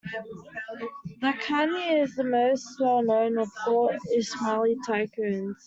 Lakhani, is the most well-known of all Ismaeli tycoons.